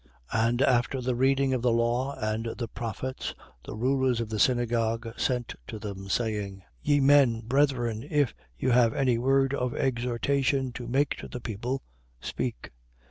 13:15. And after the reading of the law and the prophets, the rulers of the synagogue sent to them, saying: Ye men, brethren, if you have any word of exhortation to make to the people, speak.